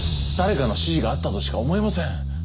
誰かの指示があったとしか思えません。